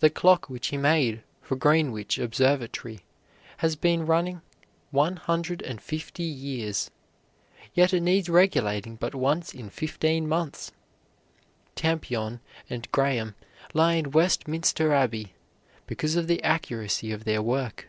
The clock which he made for Greenwich Observatory has been running one hundred and fifty years, yet it needs regulating but once in fifteen months. Tampion and Graham lie in Westminster Abbey, because of the accuracy of their work.